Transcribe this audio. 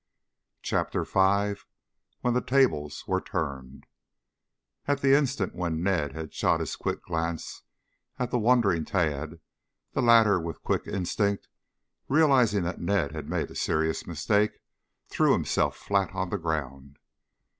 CHAPTER V WHEN THE TABLES WERE TURNED At the instant when Ned had shot his quick glance at the wondering Tad, the latter with quick instinct, realizing that Ned had made a serious mistake, threw himself flat on the ground.